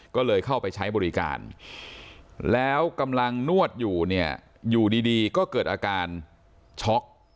ก็เลยเข้าไปใช้บริการแล้วกำลังนวดอยู่เนี่ยอยู่ดีก็เกิดอาการช็อก